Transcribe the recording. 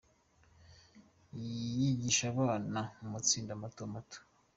Yigisha abana mu matsinda mato mato.